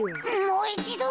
もういちど。